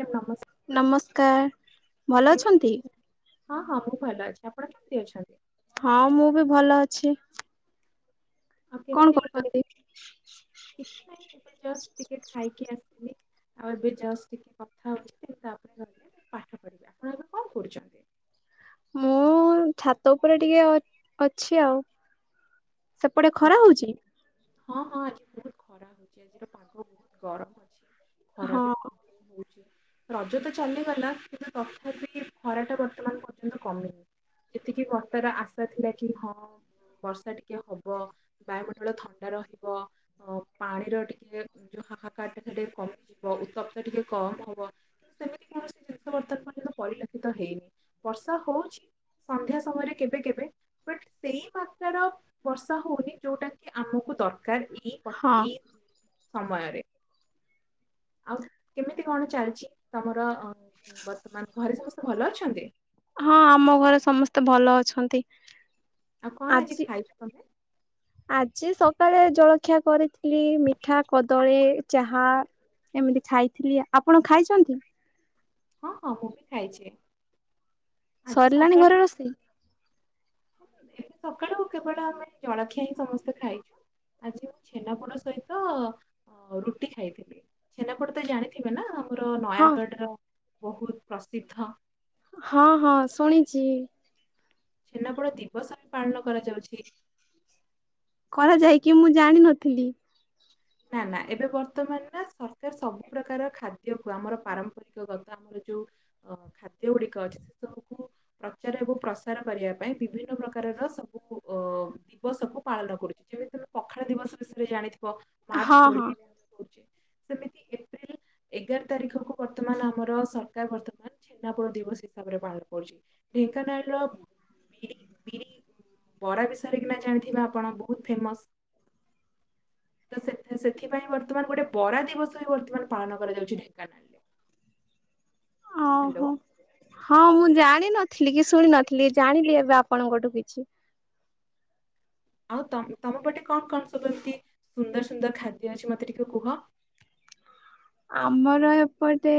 Ma'am ନମସ୍କାର ନମସ୍କାର। ଭଲ ଅଛନ୍ତି। ହଁ ହଁ ମୁଁ ଭଲ ଅଛି ଆପଣ କେମିତି ଅଛନ୍ତି? ହଁ ମୁଁ ବି ଭଲ ଅଛି। ଆଉ କଣ କେମିତି କରୁଛନ୍ତି? କିଛି ନାହିଁ ଏବେ ଜଷ୍ଟ ଟିକେ ଖାଇକି ଆସିଲି ଆଉ ଏବେ ଜସ୍ ଟିକେ କଥା ହଉଛି ତାପରେ ଗଲି ପା [inaudible] ଆପଣ ଏବେ କଣ କରୁଛନ୍ତି? ମୁଁ ଛାତ ଉପରେ ଟିକେ ଅଛି ଆଉ। ସେପଟେ ଆଉ ଖରା ହଉଛି? ହଁ ହଁ ଆଜି ବହୁତ ଖରା ହଉଛି ଆଜିର ପାଗ ବହୁତ ଗରମ। ଅଛି ଖରା ହଁ। ବି ବହୁତ ଜୋରେ ହଉଛି ରଜ ତ ଚାଲିଗଲା କିନ୍ତୁ ତଥାପି ଖରା ଟା ବର୍ତ୍ତମାନ ପର୍ଯ୍ୟନ୍ତ କମିନି। ଏତିକି ବର୍ଷାର ଆଶା ଥିଲା କି ହଁ ବର୍ଷା ଟିକେ ହବ ବ ବାୟୁମଣ୍ଡଳ ଥଣ୍ଡା ରହିବ। ପାଣିର ଟିକେ ଯୋଉ ହାହାକାର ଟା ସେ ଟିକେ କମିଯିବ ଉତ୍ତପ୍ତ ଟିକେ କମ ହବ ସେମିତି କୌଣସି ଜିନିଷ ବର୍ତମାନ ପଡ଼ିଲା ହେଇନି ବର୍ଷା ହଉଛି ସନ୍ଧ୍ୟା ସମୟରେ କେବେ କେବେ ସେଇ ମାତର ବର୍ଷା ହଉନି ଯୋଉଟା କି ଆମକୁ ଦରକାର ଏଇ ହଁ ଏଇ ସମୟରେ ଆଉ କେମିତି କଣ ଚାଲିଛି ତମର ବର୍ତ୍ତମାନ ଘରେ ସମସ୍ତେ ଭଲ ଅଛନ୍ତି? ହଁ ଆମ ଘରେ ସମସ୍ତେ ଭଲ ଅଛନ୍ତି। ଆଉ କଣ ଆଜି ଖାଇଛ ତମେ? ଆଜି ସକାଳେ ଜଳଖିଆ କରି ଲି ମିଠା କଦଳୀ ଚାହା ଏମିତି ଖାଇଥିଲି ଆପଣ ଖାଇଛନ୍ତି? ହଁ ହଁ ମୁଁ ବିି ଖାଇଛି। ଆଜି ସରିଲାଣି ସକାଳେ ଘରେ ରୋଷେଇ? ଏବେ ସକାଳୁ କେବଳ ଆମେ ଜଳଖିଆ ହିଁ ସମସ୍ତେ ଖାଇଛୁ। ଆଜି ମୁଁ ଛେନାପୋଡ ସହିତ ରୁଟି ଖାଇଥିଲି ସେଛନାପୋଡ ତ ଜାଣିଥିବେ ନା? ଆମର ହଁ ନୟାଗଡ଼ର ବହୁତ ପ୍ରସିଦ୍ଧ। ହଁ ହଁ ଶୁଣିଛି। ଛେନାପୋଡ ଦିବସ ପାଳନ କରାଯାଉଛି। କରାଯାଏକି ମୁଁ ଜାଣିନଥିଲି। ନା ନା ଏବେ ବର୍ତ୍ତମାନ ନା ସରକାର ସବୁ ପ୍ରକାର ଖାଦ୍ୟକୁ ଆମର ପାରମ୍ପରିକ ଗତ ଆମର ଯୋଉ ଖାଦ୍ୟ ଗୁଡିକ ଅଛି ସେ ସବୁକୁ ପ୍ରଚାର ଏବଂ ପ୍ରସାର କରିବା ପାଇଁ ବିଭିନ୍ନ ପ୍ରକାର ର ସବୁ ଅ ଦିବସକୁୁ ପାଳନ କରୁଛି ଯେମିତି ତମେ ପଖାଳ ଦିବସ ବିଷୟରେ ଜାଣିଥିବ। ମାର୍ଚ୍ଚ ହଁ ହଁ କୋଡିଆରେ ଆମେ କହୁଛେ ସେମିତି ଏପ୍ରି ଏଗାର ତାରିଖକୁ ବର୍ତ୍ତମାନ ଆମର ସରକାର ବର୍ତ୍ତମାନ ଛେନ୍ନାପୋଡ ଦିବସ ହିସାବରେ ପାଳନ କରୁଛି। ଢେଙ୍କାନାଳ ର ବିରି ବି ବରା ବିଷୟରେ କି ନା ଜାଣିଥିବା ଆପଣ ବହୁତ ଫେମସ। ତ ସେଥିପାଇଁ ବର୍ତ୍ତମାନ ଗୋଟେ ବରା ଦିବସ ହ ବର୍ତ୍ତମାନ ପାଳନ କରାଯାଉଛି ଢେଙ୍କାନାଳରେ। ହ୍ୟାଲୋ ଓହୋ ହଁ ମୁଁ ଜାଣି ନଥିଲି କି ଶୁଣି ନଥିଲି ଜାଣିଲି ଏବେ ଆପଣଙ୍କଠୁ କିଛି ଆଉ ତମ ପଟେ କଣ କଣ ସବୁ ଏମତି ସୁନ୍ଦର ସୁନ୍ଦର ଖାଦ୍ୟ ଅଛି ମତେ ଟିକେ କୁହ। ଆମର ଏପଟେ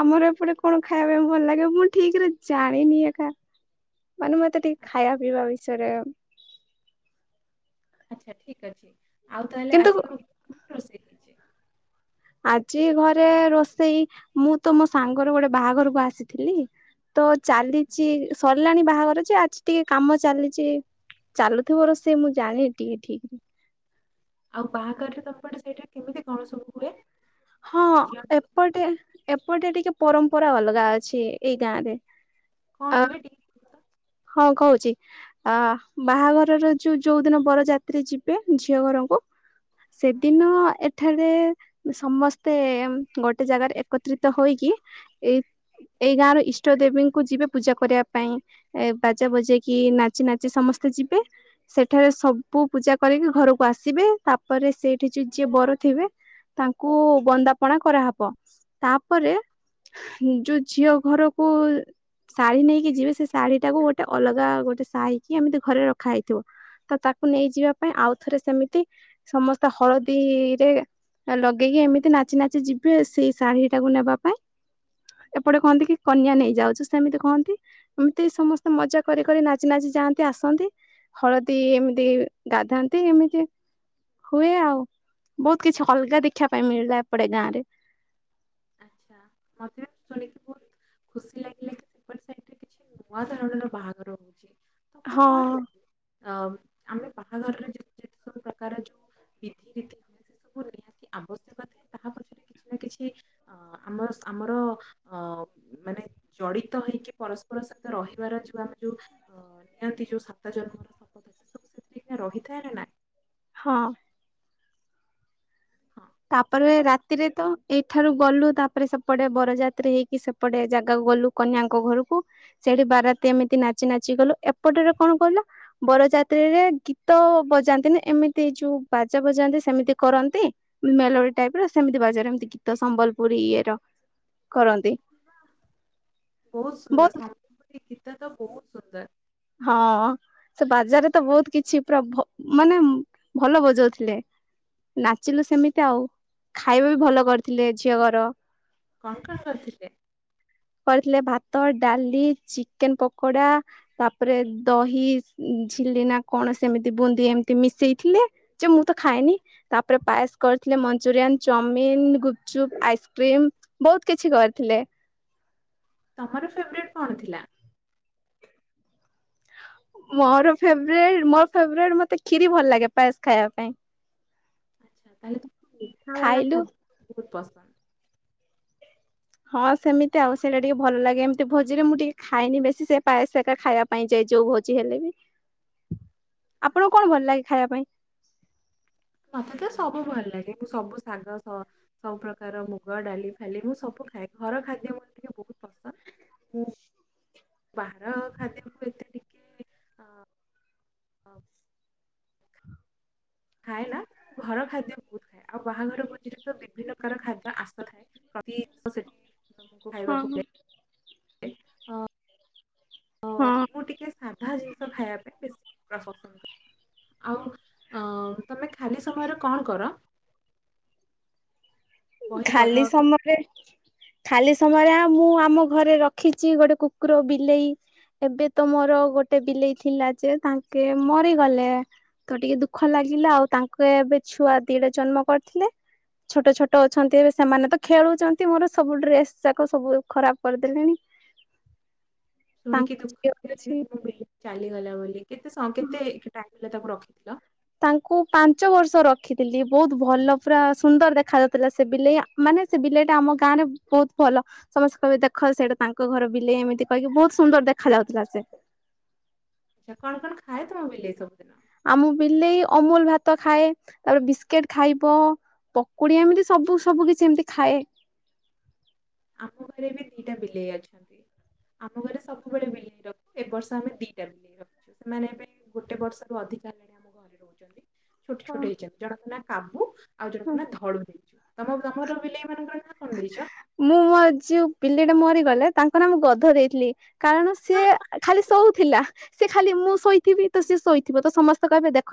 ଆମର ଏପଟେ କଣ ଖାଇବା ପାଇଁ ଭଲ ଲାଗେ ମୁଁ ଠିକ ରେ ଜାଣିନି ଏକା ମାନେ ମତେ ଟିକେ ଖାଇବା ଆଚ୍ଛା ପିଇବା ବିଷୟରେ ଆଚ୍ଛା ଠିକ ଅଛି ଆଉ ତାହେଲେ କିନ୍ତୁ ଆଜି କଣ ତ ରୋଷେଇ ହେଇଛି? ଆଜି ଘରେ ରୋଷେଇ ମୁଁ ତ ମୋ ସାଙ୍ଗର ଗୋଟେ ବାହାଘରକୁ ଆସିଥିଲି। ତ ଆଚ୍ଛା। ଚାଲିଚି ସରିଲାଣି ବାହାଘର ଯେ ଆଜି ଟିକେ କାମ ଚାଲିଛି ଚାଲୁଥିବ ରୋସେଇ ମୁଁ ଜାଣିନି ଟିକେ ଠିକରେ ଆଉ ବାହାଘରରେ ତମ ପଟେ ସେଇଟା କେମିତି କଣ ସବୁ ହୁଏ। ହଁ ଝିଅ ଏପଟେ ଏପଟେ ଟିକେ ପରମ୍ପରା ଅଲଗା ଅଛି ଏଇ ଗାଁ ରେ। କଣ ଆ ହୁଏ ଟି ହଁ କହୁଛି ଅ ବାହାଘରର ଯୋଉ ଯୋଉ ଦିନ ବର ଯାତ୍ରୀ ଯିବେ ଝିଅ ଘର ସେଦିନ ଏଠାରେ ସମସ୍ତେ ଗୋଟେ ଜାଗାରେ ଏକତ୍ରିତ ହୋଇକି ଏ ଏଇ ଗାଁ ର ଇଷ୍ଟ ଦେବୀଙ୍କୁ ଯିବେ ପୂଜା କରିବା ପାଇଁ। ଏ ବାଜା ବଜେଇ କିି ନାଚି ନାଚି ସମସ୍ତେ ଯିବେ। ସେଠାରେ ସବୁ ପୂଜା କରିକି ଘରକୁ ଆସିବେ ତାପରେ ସେଇଠି ଯ ଯିଏ ବର ଥିବେ। ତାଙ୍କୁ ବନ୍ଦାପଣା କରାହେବ ତାପରେ ଯୋଉ ଝିଅ ଘରକୁ ଶାଢୀ ନେଇକି ଯିବେ ସେ ଶାଢୀ ଟାକୁ ଗୋଟେ ଅଲଗା ଗୋଟେ ସାହିକି ଏମିତି ଘରେ ରଖା ହେଇଥିବ। ତ ତାକୁ ନେଇଯିବା ପାଇଁ ଆଉଥରେ ସେମିତି ସମସ୍ତେ ହଳଦୀରେ ଲଗେଇକି ଏମିତି ନାଚି ନାଚି ଯିବେ ସେଇ ଶାଢୀ ଟାକୁ ନେବା ପାଇଁ। ଏପଟେ କହନ୍ତି କି କନ୍ୟା ନେଇଯାଉଛି ସେମିତି କହନ୍ତି। ଏମିତି ସମସ୍ତେ ମଜା କରି କରି ନାଚି ନାଚି ଯାଆନ୍ତି ଆସନ୍ତି। ହଳଦୀ ଏମିତି ଗାଧାନ୍ତି ଏମିତି ହୁଏ ଆଉ ବହୁତ କିଛି ଅଲଗା ଦେଖିବା ପାଇଁ ମିଳିଲା ଏପଟେ ଗାଁରେ। ଆଚ୍ଛା ମତେ ବି ଶୁଣିକି ବହୁତ ଖୁସି ଲାଗିଲା କି ସେପଟ ସେଠାରେ କିଛି ନୂଆ ଧରଣର ବାହାଘର ହୋଉଛି। ହଁ। ଅ ଆମେ ବାହାଘରରେ ଯେତେ ସବୁ ପ୍ରକାର ଯୋଉ ବିଧି ରୀତି ସବୁ ନିହାତି ଆବଶ୍ୟକ ଥାଏ ତାହା ପଛରେ କିଛି କିଛି ଆମର ଆମର ଅ ମାନେ ଜଡିତ ହେଇକି ପରସ୍ପର ସହିତ ରହିବାର ଯୋଉ ଆମେ ଯୋଉ ଅ ନିଅନ୍ତି ଯୋଉ ସାତ ଜନ୍ମର ଶପଥ ସେଥିରେ ରହିଥାଏ ନା ନାଇଁ। ହଁ। ହଁ ସେଟା ତାପରେ ତ ରାତିରେ ତ ଏଇଠାରୁ ଗଲୁ ତାପରେ ସେପଟେ ବରଯାତ୍ରୀ ହେଇକି ସେପଟେ ଜାଗାକୁ ଗଲୁ କନ୍ୟାଙ୍କ ଘରକୁ। ସେଠି ବାରାତି ଏମିତି ନାଚି ନାଚି ଗଲୁ ଏପଟରେ କଣ କହିଲ ବରଯାତ୍ରୀରେ ଗୀତ ବଜ ଯାଆନ୍ତିନି ଏମିତି ଯୋଉ ବାଜା ବଜାନ୍ତି ସେମିତି କରନ୍ତି। ମେଲୋଡି ଟାଇପ ର ସେମିତି ବାଜାର ଏମିତି ଗୀତ ସମ୍ବଲପୁରୀ ଇଏ ର କରନ୍ତି ବହୁତ ସୁନ୍ଦର ସମ୍ବଲପୁରୀ ଗୀତ ତ ବହୁତ ସୁନ୍ଦର। ହଁ। ସେ ବାଜାରରେ ତ ବହୁତ କିଛି ପୁରା ଭ ମାନେ ଭଲ ବଜଉଥିଲେ। ନାଚିଲୁ ସେମିତି ଆଉ ଖାଇବା ବି ଭଲ କରିଥିଲେ ଝିଅ ଘର। କଣ କଣ କରିଥିଲେ। କରିଥିଲେ ଭାତ ଡାଲି ଚିକେନ ପକୋଡା ତାପରେ ଦହି ଝିଲି ନା କଣ ସେମିତି ବୁନ୍ଦି ଏମିତି ମିଶେଇ ଥିଲେ ଯେ ମୁଁ ତ ଖାଏନି ତାପରେ ପାୟସ କରି ଲେ ମଞ୍ଚୁରିଆନ ଚୌମିନ, ଗୁପଚୁପ, ଆଇସ୍କ୍ରିମ ବହୁତ କିଛି କରିଥିଲେ। ତମର ଫେବ୍ରାଇଟ କଣ ଥିଲା? ମୋର ଫେବ୍ରାଇଟ ମୋର ଫେବ୍ରାଇଟ ମତେ କ୍ଷୀରି ଭଲ ଲାଗେ ପାଏସ ଖାଇବା ପାଇଁ। ଆଚ୍ଛା ତା ହେଲେ ତୁମକୁ ମିଠା ବାଲା ଖାଇଲୁ ଖାଦ୍ୟ ବୋହୁତ ପସନ୍ଦ। ହଁ ସେମିତି ଆଉ ସେଇଟା ଟିକେ ଭଲ ଲାଗେ ଏମିତି ଭୋଜିରେ ମୁଁ ଟିକେ ଖାଏନି ବେଶୀ ସେ ପାଏସ ହେକା ଖାଇବା ପାଇଁ ଯାଇ ଯୋଉ ଭୋଜି ହେଲେ ବି ଆପଣଙ୍କୁ ଆଚ୍ଛା କଣ ଭଲ ଲାଗେ ଖାଇବା ପାଇଁ? ମତେ ତ ସବୁ ଭଲ ଲାଗେ ମୁଁ ସବୁ ଶାଗ ସ-ସବୁ ପ୍ରକାର ମୁଗ ଡାଲି ଫାଲି ମୁଁ ସବୁ ଖାଏ ଘର ଖାଦ୍ୟ ମତେ ଟିକେ ବହୁତ ପସନ୍ଦ ମୁଁ ବାହାର ଖାଦ୍ୟକୁ ଏତେ ଟି-ଟି ଅ ଖାଏ ନା ତ ଘର ଖାଦ୍ୟ ବହୁତ ଖାଏ ଆଉ ବାହାଘର ଭୋଜିରେ ତ ବିଭିନ୍ନ ପ୍ରକାର ଖାଦ୍ୟ ଆଶା ଥାଏ। ସେଠିକୁ ହଁ ଖାଇବାକୁ [unintelligible] ହଁ। ହଁ। ସାଧା ଜିନିଷ ଖାଇବା ପାଇଁ ବେଶୀ ପ୍ରସନ୍ଦ କରେ ଆଉ। ଅ ତମେ ଖାଲି ସମୟରେ କଣ କର? ବହି ଖାଲି ପଢ କି ସମୟରେ। ଖାଲି ସମୟରେ ଆ ମୁଁ ଆମ ଘରେ ରଖିଛି ଗୋଟେ କୁକୁର ବିଲେଇ। ଏବେ ତ ମୋର ଗୋଟେ ବିଲେଇ ଥିଲା ଯେ ତାଙ୍କେ ମରିଗଲେ ତ ଟିକେ ଦୁଃଖ ଲାଗେ। ଲାଗିଲା ତାଙ୍କ ଏବେ ଛୁଆ ଦିଟା ଜନ୍ମ କରିଥିଲେ ଛୋଟ ଛୋଟ ଛୋଟ ଅଛନ୍ତି ଏବେ ସେମାନେ ତ ଖେଳୁଛନ୍ତି ମୋର ସବୁ ଡ୍ରେସ ଯାକ ସବୁ ଖରାପ କରିଦେଲେଣି। ତାଙ୍କ ଶୁଣିକି ଦୁଃଖ ଅଛି ଲାଗ ବିଲେଇ ଚାଲିଗଲା ବୋଲି କେ କେତେ ସ କେତେ ତାକୁ ରଖିଥିଲ। ତାଙ୍କୁ ପାଞ୍ଚ ବର୍ଷ ରଖିଥିଲି ବହୁତ ଭଲ ପୁରା ସୁନ୍ଦର ଦେଖା ଯାଉଥିଲା ସେ ବିଲେଇ ମାନେ। ସେ ବିଲେଇ ଟା ଆମ ଗାଁରେ ବହୁତ ଭଲ ସମସ୍ତେ କହିବେ ଦେଖ ସେଇଟା ତାଙ୍କ ଘର ବିଲେଇ ଏମିତି କହିକି ବହୁତ ସୁନ୍ଦର ଦେଖା ଯାଉଥିଲା ସେ। ଆଚ୍ଛା, କଣ କଣ ଖାଏ ତମ ବିଲେଇ ସବୁଦିନ? ଆମ ବିଲେଇ ଅମୁଲ ଭାତ ଖାଏ, ତାପରେ ବିସ୍କିଟ ଖାଇବ। ପକୁଡି ଏମିତି ସବୁ ସବୁ କିଛି ଏମିତି ଖାଏ। ଆମ ଘରେ ବି ଦିଟା ବିଲେଇ ଅଛନ୍ତି। ଆମ ଘରେ ସବୁବେଳେ ବିଲେଇ ରଖୁ ଏବର୍ଷ ଆମେ ଦିଟା ବିଲେଇ ରଖିଛୁ। ସେମାନେ ଏବେ ଗୋଟେ ବର୍ଷ ରୁ ଅଧିକା ହେଲାଣି ଆମ ଘରେ ରହୁଛନ୍ତି। ଛୋଟ ଛୋଟ ହେଇଛନ୍ତି ଜଣଙ୍କ ନା କାବୁ ଆଉ ଜଣଙ୍କ ନା ଧଳୁ ଦେଇଚୁ। ତମ ତମର, ବିଲେଇ ମାନଙ୍କର ନାଁ କଣ ଦେଇଛ? ମୁଁ ମୋର ଯୋଉ ବିଲେଇଟା ମରିଗଲେ ତାଙ୍କ ନା ମୁଁ ଗଧ ଦେଇଥିଲି। କାରଣ ସିଏ ଖାଲି ଶଉଥିଲା। ସେ ଖାଲି ମୁଁ ଶୋଇଥିବି ତ ସେ ଶୋଇଥିବ ତ ସମସ୍ତେ କହିବେ ଦେଖ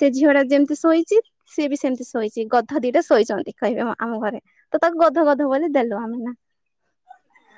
ସେ ଝିଅ ଟା ଯେମିତି ଶୋଇଛି ସିଏ ସେମିତି ଶୋଇଛି ଗଧ ଦିଟା ଶୋଇଛନ୍ତି କହିବେ ଆ ଆମ ଘରେ ତ ତାକୁ ଗଧ ଗଧ ବୋଲି ଦେଲୁ ଆମେ ନା।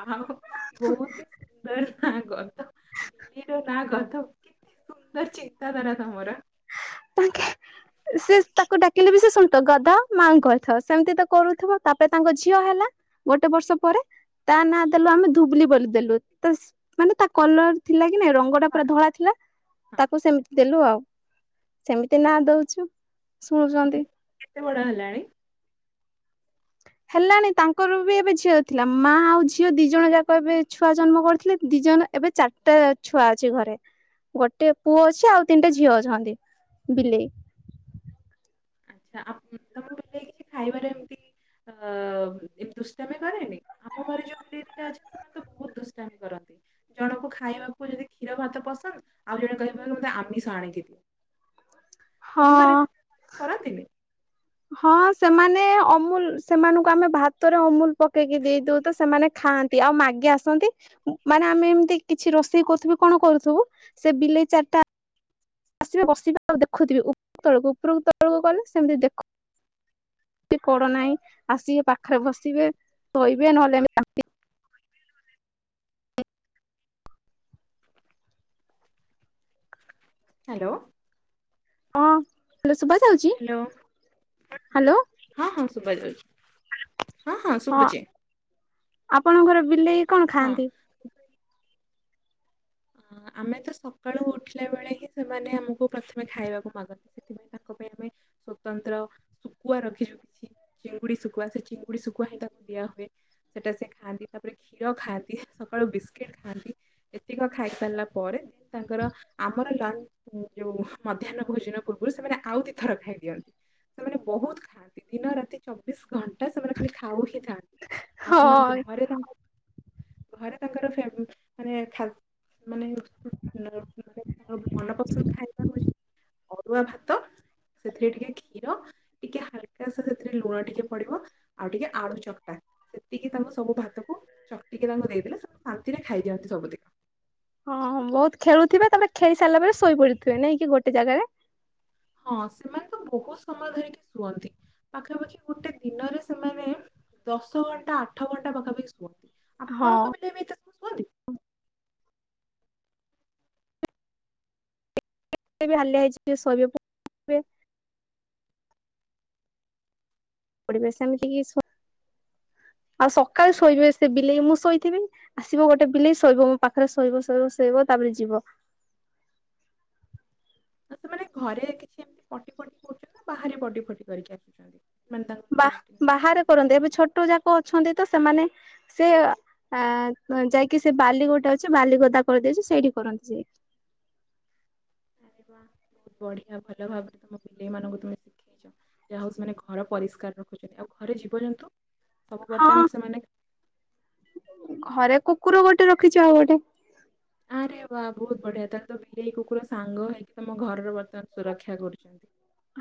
ବା ବହୁତ ହି ସୁନ୍ଦର। ନା ଗଧ ବିଲେଇର ନା ଗଧ କେତେ ସୁନ୍ଦର ଚିନ୍ତାଧାରା ତମର। ତାଙ୍କେ ସେ ତାକୁ ଡାକିଲେ ବି ସେ ଶୁଣୁଥ ଗଧ ମାଙ୍ଗଥ ସେମିତି ତ କରୁଥିବ ତାପରେ ତାଙ୍କ ଝିଅ ହେଲା। ଗୋଟେ ବର୍ଷ ପରେ। ତା ନା ଦେଲୁ ଆମେ ଧୁବୁଲି ବୋଲି ଦେଲୁ ତା ସ ମାନେ ତା କଲର ଥିଲା କି କି ନାଇଁ ରଙ୍ଗ ଟା ପୁରା ଧଳା ଥିଲା ହଁ। ତାକୁ ସେମିତି ଦେଲୁ ଆଉ। ସେମିତି ନା ଦଉଛୁ। ଶୁଣୁଛନ୍ତି। ଏବେ କେତେ ବଡ ହେଲାଣି? ହେଲାଣି ତାଙ୍କର ବି ଏବେ ଝିଅ ଥିଲା ମା ଆଉ ଝିଅ ଦି ଜଣ ଯାକ ଏବେ ଛୁଆ ଜନ୍ମ କରିଥିଲେ ଦି ଜଣ ଏବେ ଚାରିଟା ଛୁଆ ଅଛି ଘରେ। ଗୋଟେ ପୁଅ ଅଛି ଆଉ ତିନିଟା ଝିଅ ଅଛନ୍ତି ବିଲେଇ। ଆଛା ଆ ତମ ବିଲେଇ କିଛି ଖାଇବା ଟାଇମରେ ଅ ଦୁଷ୍ଟମି କରେନି ଆମ ଘରେ ଯୋଉ ପିଲେଇ ଦିଟା ଅଛନ୍ତି ସେମାନେ ତ ବହୁତ ଦୁଷ୍ଟାମି କରନ୍ତି ଯ ଜଣଙ୍କୁ ଖାଇବାକୁ ଯଦି କ୍ଷୀର ଭାତ ପସନ୍ଦ ଆଉ ଜଣେ କହିବା ମତେ ଆମିଷ ଆଣିକି ଦିଅ। ତମ ଘରେ ହଁ କରନ୍ତିନି? ହଁ ସେମାନେ ଅମୁଲ, ସେମାନଙ୍କୁ ଆମେ ଭାତରେ, ଅମୁଲ ପକେଇକି ଦେଇଦଉ ତ ସେମାନେ ଖା ନ୍ତି। ଆଉ ମାଗୀ ଆସନ୍ତି। ମାନେ ଆମେ ଏମିତି କିଛି ରୋଷେଇ କରୁଥିବୁ, କଣ କରୁଥିବୁ, ସେ ବିଲେଇ ଚାରିଟା ଆସିବେ, ବସିବେ ଆଉ ଦେଖୁଥିବେ। ଉପର ତଳକୁ, ଉପରକୁ ତଳକୁ ଗଲେ ସେମିତି ଦେଖୁ ସେମିତି କର ନାହିଁ। ଆସିକି ପାଖରେ ବସିବେ, ଶୋଇବେ, ନହେଲେ ହ୍ୟାଲୋ। ହଁ ହ୍ଯାଲୋ ସୁଭା ହୋ ହ୍ୟାଲୋ। ହଁ, ହଁ ସୁଭା ଯାଉଛି। ହ୍ୟାଲୋ ହଁ ହଁ ସୁଭଛି। ଆପଣଙ୍କର ବିଲେଇ କଣ, ଖାଆନ୍ତି? ଅ, ଆମେ ତ ସକାଳୁ ଉଠିଲା ବେଳେ ହିଁ, ସେମାନେ ଆମକୁ ପ୍ରଥମେ ଖାଇବାକୁ ମାଗନ୍ତି। ସେଥିପାଇଁ ତାଙ୍କ ପାଇଁ ଆମେ, ସଵତନ୍ତ୍ର ଶୁଖୁଆ ରଖିଛୁ କିଛି ଚିଙ୍ଗୁଡି ଶୁଖୁଆ, ସେ ଚିଙ୍ଗୁଡି ଶୁଖୁଆ ହିଁ ତାକୁ ଦିଆ ହୁଏ। ସେଟା ସେ ଖାଆନ୍ତି, ତାପରେ କ୍ଷୀର ଖାଆନ୍ତି। ସକାଳୁ ବିସ୍କିଟ ଖାଆନ୍ତି। ଏତିକ ଖାଇ ସାରିଲା ପରେ, ତାଙ୍କର ଆମର ଲଞ୍ଚ ଉ, ଯୋଉ ମଧ୍ୟାହ୍ନ ଭୋଜନ ପୂର୍ବରୁ, ସେମାନେ ଆଉ ଦି ଥର ଖାଇ ଦିଅନ୍ତି। ସେମାନେ ବହୁତ ଖାଆନ୍ତି। ଦିନ ରାତି ଚବିଶ ଘଣ୍ଟା ଟା, ସେମାନେ ଖାଲି ଖାଉ ହିଁ ଥାନ୍ତି। ଆଉ ହଁ ସେମାନଙ୍କର ଘରେ ଘରେ ତାଙ୍କର ଫେ-ମାନେ, ଖା-ମାନେ, ମାନେ ମନ ପସନ୍ଦ ଖାଇବା ହଉଛି ଅରୁଆ ଭାତ, ସେଥିରେ ଟିକେ କ୍ଷୀର, ଟିକେ ହାଲକା ସେଥିରେ ଲୁଣ ଟିକେ ପଡିବ, ଆଉ ଟିକେ ଆଳୁ ଚକଟା, ସେ ଟିକିଏ ତାଙ୍କୁ ସବୁ ଭାତକୁ, ଚକଟିକି ତାଙ୍କୁ ଦେଇଦେଲେ ସେ ଶାନ୍ତିରେ, ଖାଇଦିଅନ୍ତି ସବୁ ଦିନ୍। ହଁ ବହୁତ ଖେଳୁଥିବେ। ତାପରେ ଖେଳି ସାରିଲା ପରେ, ଶୋଇପଡିଥିବେ ନାଇଁ କି ଗୋଟେ ଜାଗାରେ? ହଁ, ସେମାନେ ତ ବହୁତ ସମୟ ଧରିକି ଶୁଅନ୍ତି। ପାଖାପାଖି ଗୋଟେ ଦିନରେ ସେମାନେ, ଦଶ ଘଣ୍ଟା, ଆଠ ଘଣ୍ଟା ପାଖାପାଖି ଶୁଅନ୍ତି। ହଁ ଆପଣଙ୍କ ବିଲେଇ ବି ଏତେ ଶୁଅନ୍ତି? ଯେତେ ବି ହାଲିଆ ହେଇ ଯିବେ, ଶୋଇବାକୁ ପଢିବେ, ସେମିତିକି ଶୋ ଆଉ ସକାଳେ ହଁ, ଶୋଇବେ। ସେ ବିଲେଇ ମୁଁ ଶୋଇଥିବି। ଆସିବ ଗୋଟେ ବିଲେଇ ଶୋଇବ ମୋ ପାଖରେ। ଶୋଇବ, ଶୋଇବ, ଶୋଇବ ତା ତାପରେ ଯିବ। ଆଉ ସେମାନେ ଘରେ କିଛି ଏମତି ପଟି ଫଟି କରୁଛନ୍ତି ନା? ବାହାରେ ପଟି ଫଟି କରିକି ଆସୁଛନ୍ତି? ମାନେ ତାଙ୍କର ବା, ଯୋଉ ଲାଟିନ୍ ବାହାରେ ଫାଟିନ୍ କରନ୍ତି। ଏବେ ବସୁଛନ୍ତି ଛୋଟ ଯାକ ଅଛନ୍ତି, ତ ସେମାନେ ସେ, ଏଁ ଯାଇକି ସେ ବାଲି ଗୋଟେ ଅଛି। ବାଲି ଗଦା କରିଦେଇଛି ସେଇଠି କରନ୍ତି ସେ ବଢିଆ ଭଲ ଭାବରେ ତମ ବିଲେଇ ମାନଙ୍କୁ ତମେ ଶ ଯାହା ହଉ, ସେମାନେ ଘର ପରିଷ୍କାର ରଖୁଛନ୍ତି। ଆଉ ଘରେ ଜୀବଜନ୍ତୁ? ସବୁ ହଁ ବର୍ତ୍ତମାନ ସେମାନେ ଘରେ କୁକୁର ଗୋଟେ ରଖିଛୁ, ଆଉ ଗୋଟେ। ଆରେ ବା ବହୁତ ବଢିଆ। ତାହେଲେ ତ ବିଲେଇ, କୁକୁର ସାଙ୍ଗ ହେଇକି ତମ ଘରର ସୁରକ୍ଷା କରୁଛନ୍ତି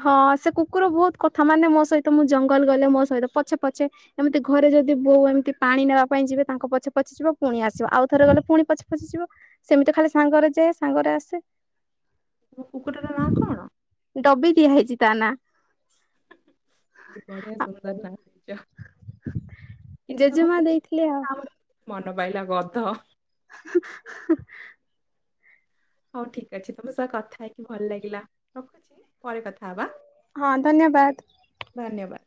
ହଁ, ସେ କୁକୁର ବହୁତ କଥା ମାନେ, ମୋ ସହିତ ମୁଁ ଜଙ୍ଗଲ ଗଲେ, ମୋ ସହିତ ପଛେ ପଛେ ଏମିତି ଘରେ ଯଦି ବୋଉ ଏମିତି ପାଣି ନେବା ପାଇଁ ଯିବେ, ତାଙ୍କ ପଛେ ପଛେ ଯିବ ପୁଣି ଆସିବ। ଆଉ ଥରେ ଗଲେ ପୁଣି ପଛେ, ପଛେ ଯିବ। ସେମିତି ଖାଲି ସାଙ୍ଗରେ ଯାଏ, ସାଙ୍ଗରେ ଆସେ। ତମ କୁକୁରର ନାଁ କଣ ଡବି ଦିଆ ହେଇଛି ତା, ନା। ବଢିଆ ସୁନ୍ଦର ନାଁ। ଜେଜେମା ଦେଇଥିଲେ ଆଉ। ତ ପାଇଲା ଗଧ [unintelligible] ହଉ ଠିକ ଅଛି ତମ ସହ କଥା ହେଇକି ଭଲ ଲାଗିଲା ରଖୁଛି ପରେ କଥା ହବା। ହଁ ଧନ୍ୟବାଦ। ଧନ୍ୟବାଦ